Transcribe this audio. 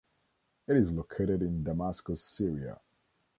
It is located in Damascus, Syria.